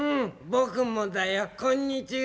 ぼくもだよこんにちは。